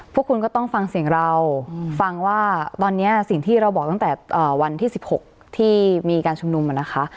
พวกคุณก็ต้องฟังเสียงเราฟังว่าตอนนี้สิ่งที่เราบอกตั้งแต่วันที่๑๖ที่มีการชุมนุมนะคะ